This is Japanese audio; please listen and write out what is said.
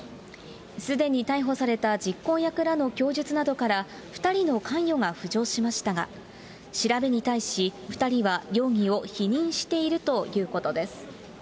すでに逮捕された実行役らの供述などから２人の関与が浮上しましたが、調べに対し、２人は容疑を否認しているということです。